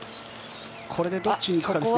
これでどっちに行くかですね。